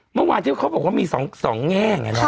เมื่อวานที่เขาบอกว่ามี๒แง่ไงเนอะ